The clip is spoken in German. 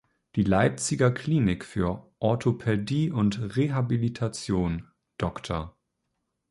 Die Leipziger "Klinik für Orthopädie und Rehabilitation „Dr.